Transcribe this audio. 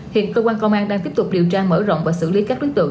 hiện cơ quan công an đang tiếp tục điều tra mở rộng và xử lý các đối tượng